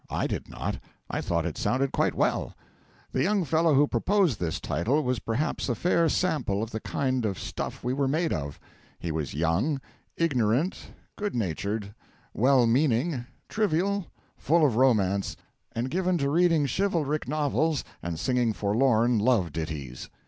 I did not; I thought it sounded quite well. The young fellow who proposed this title was perhaps a fair sample of the kind of stuff we were made of. He was young, ignorant, good natured, well meaning, trivial, full of romance, and given to reading chivalric novels and singing forlorn love ditties.